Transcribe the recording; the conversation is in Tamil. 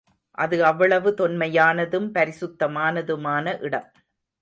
அது அவ்வளவு தொன்மையானதும் பரிசுத்தமானதுமான இடம்.